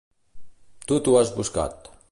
Tu t'ho has buscat!